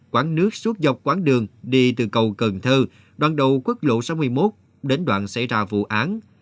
quán nước suốt dọc quãng đường đi từ cầu cần thơ đoạn đầu quốc lộ sáu mươi một đến đoạn xảy ra vụ án